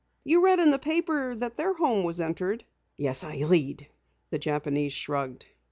You read in the paper that their home was entered?" "Yes, I read," the Japanese shrugged.